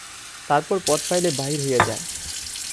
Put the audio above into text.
তারপর পথ পাইলে বাহির হইয়া যায়।